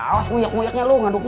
awas uyak uyaknya lo ngaduknya